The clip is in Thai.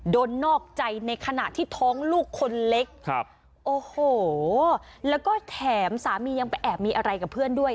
นอกใจในขณะที่ท้องลูกคนเล็กครับโอ้โหแล้วก็แถมสามียังไปแอบมีอะไรกับเพื่อนด้วย